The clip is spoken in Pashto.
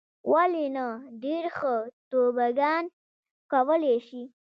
ولې نه. ډېر ښه توبوګان کولای شې.